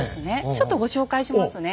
ちょっとご紹介しますね。